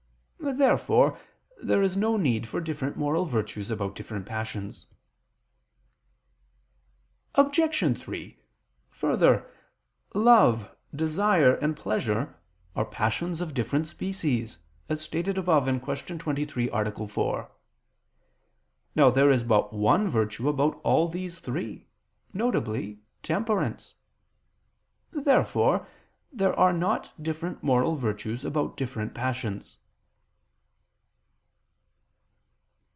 Therefore there is no need for different moral virtues about different passions. Obj. 3: Further, love, desire, and pleasure are passions of different species, as stated above (Q. 23, A. 4). Now there is but one virtue about all these three, viz. temperance. Therefore there are not different moral virtues about different passions.